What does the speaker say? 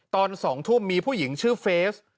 ตอน๒ทุ่มมีผู้หญิงชื่อเฟส